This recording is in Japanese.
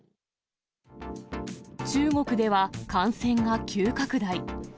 中国では、感染が急拡大。